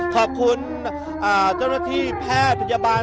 ขอบคุณเจ้าหน้าที่แพทย์พยาบาล